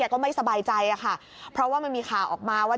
ก็ไม่สบายใจค่ะเพราะว่ามันมีข่าวออกมาว่า